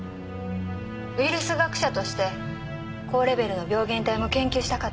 ウイルス学者として高レベルの病原体も研究したかったんです。